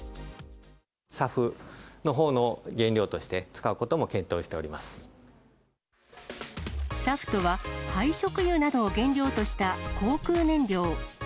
ＳＡＦのほうの原料として使ＳＡＦとは、廃食油などを原料とした航空燃料。